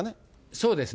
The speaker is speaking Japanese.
そうですね。